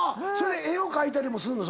絵を描いたりもするの？